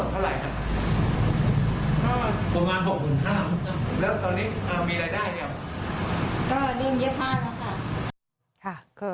ค่ะค่ะค่ะ